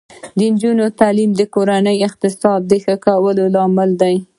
د نجونو تعلیم د کورنۍ اقتصاد ښه کولو لامل دی.